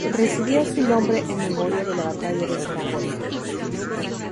Recibía su nombre en memoria de la batalla de Zaragoza.